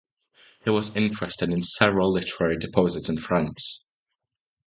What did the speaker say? He was interested in several literary deposits in France.